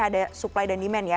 ada supply dan demand ya